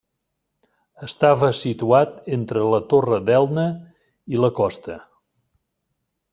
Estava situat entre la Torre d'Elna i la costa.